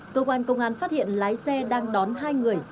cơ quan công an phát hiện lái xe đang đón hai người